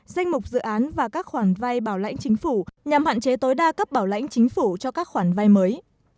danh mục dự án và các khoản vay bảo lãnh chính phủ nhằm hạn chế tối đa cấp bảo lãnh chính phủ cho các khoản vay mới